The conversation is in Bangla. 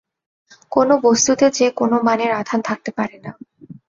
কোনো বস্তুতে যে কোনো মানের আধান থাকতে পারে না।